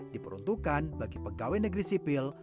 diperuntukkan bagi pegawai negeri sipil